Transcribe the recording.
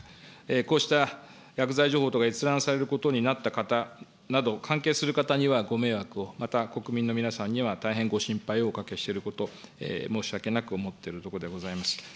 こうした薬剤情報とか閲覧されることになった方など、関係する方にはご迷惑を、また国民の皆さんには大変ご心配おかけしていること、申し訳なく思っているところでございます。